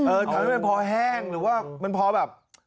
ทำให้มันพอแห้งหรือว่ามันพอแบบ